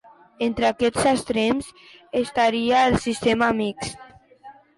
Entre aquests extrems estaria el sistema mixt.